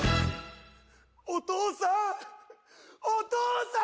お父さんお父さん！